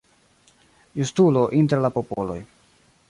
Justulo inter la popoloj.